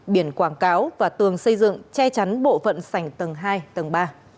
biển quảng cáo và tường xây dựng che chắn bộ phận sảnh tầng hai tầng ba